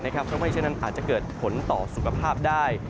เพราะฉะนั้นอาจจะเกิดผลต่อสุขภาพได้